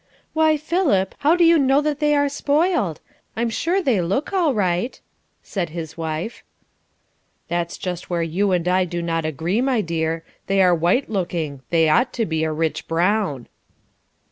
"Why, Philip, how do you know that they are spoiled? I'm sure they look all right," said his wife. "That is just where you and I do not agree, my dear. They are white looking, they ought to be a rich brown."